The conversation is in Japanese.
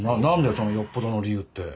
そのよっぽどの理由って。